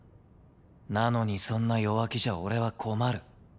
なのにそんな弱気じゃ俺は困る。